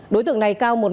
đối tượng này cao một mét